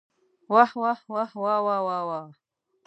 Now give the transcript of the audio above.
واه واه واه واوا واوا.